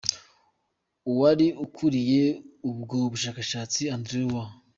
Uwari ukuriye ubwo bushakashatsi, Andrew W.